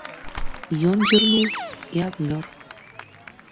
Ён зірнуў і абмёр.